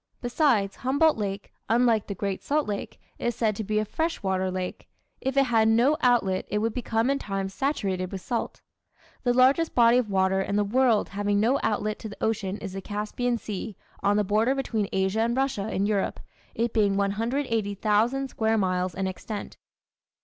Besides, Humboldt Lake, unlike the Great Salt Lake, is said to be a fresh water lake; if it had no outlet it would become in time saturated with salt. The largest body of water in the world having no outlet to the ocean is the Caspian Sea, on the border between Asia and Russia in Europe, it being 180,000 square miles in extent.